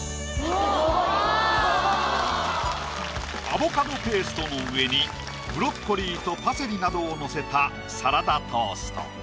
アボカドペーストの上にブロッコリーとパセリなどをのせたサラダトースト。